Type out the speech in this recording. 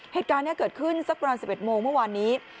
เหตุการณ์นี้เกิดขึ้นสักประมาณ๑๑โมงเมื่อวานนี้